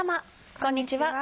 こんにちは。